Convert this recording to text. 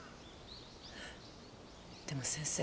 でも先生。